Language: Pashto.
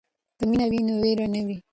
که مینه وي نو وېره نه وي.